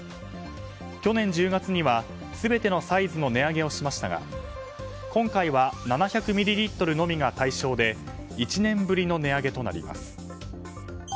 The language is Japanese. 去年１０月には全てのサイズの値上げをしましたが今回は７００ｍｌのみが対象で１年ぶりの値上げとなります。